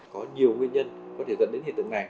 có nhiều nguyên nhân có thể dẫn đến hiện tượng này